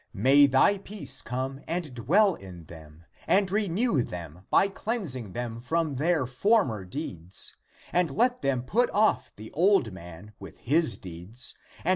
May thy peace come and dwell in them, and renew them by cleansing them from their former deeds, and let them put off the old man with his deeds, sComp.